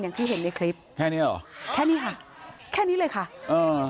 อย่างที่เห็นในคลิปแค่เนี้ยเหรอแค่นี้ค่ะแค่นี้เลยค่ะเออ